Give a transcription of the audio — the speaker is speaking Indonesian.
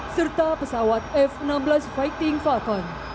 serta pesawat f enam belas fighting falcon